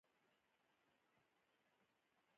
د یوناني درملو کیفیت هم خراب شوی